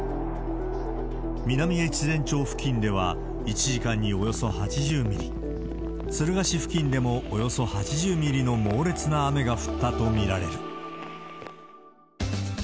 南越前町付近では、１時間におよそ８０ミリ、敦賀市付近でもおよそ８０ミリの猛烈な雨が降ったと見られる。